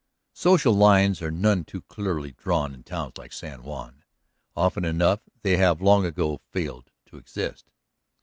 Social lines are none too clearly drawn in towns like San Juan; often enough they have long ago failed to exist.